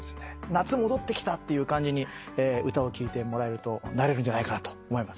夏戻ってきたっていう感じに歌を聴いてもらえるとなれるんじゃないかなと思います。